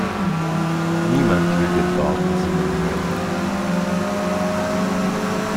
Niemand will den Barden singen hören.